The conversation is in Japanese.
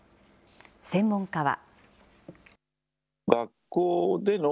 専門家は。